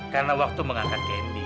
karena waktu mengangkat candy